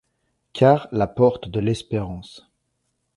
Car la porte de l'espérance